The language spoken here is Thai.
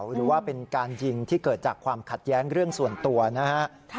หรือว่าเป็นการยิงที่เกิดจากความขัดแย้งเรื่องส่วนตัวนะฮะ